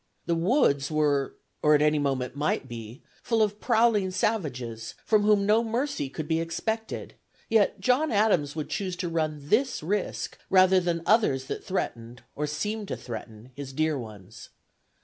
The woods were or at any moment might be full of prowling savages, from whom no mercy could be expected; yet John Adams would choose to run this risk rather than others that threatened, or seemed to threaten, his dear ones.